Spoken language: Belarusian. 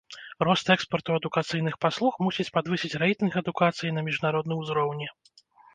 Рост экспарту адукацыйных паслуг мусіць падвысіць рэйтынг адукацыі на міжнародным узроўні.